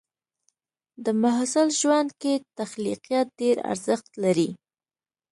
د محصل ژوند کې تخلیقيت ډېر ارزښت لري.